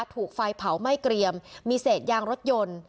ถูกไฟเผาไหม้เกรียมมีเศษยางรถยนต์